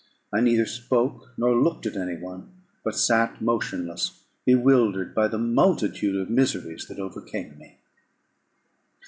I neither spoke, nor looked at any one, but sat motionless, bewildered by the multitude of miseries that overcame me.